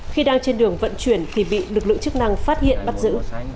khi đang trên đường vận chuyển thì bị lực lượng chức năng phát hiện bắt giữ